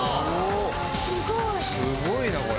すごいなこれ！